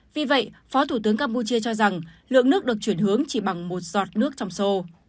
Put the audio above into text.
vì vậy phó thủ tướng campuchia cho rằng lượng nước được chuyển hướng chỉ bằng một giọt nước trong sô